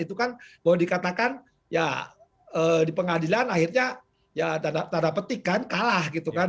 itu kan kalau dikatakan di pengadilan akhirnya tanda petik kan kalah gitu kan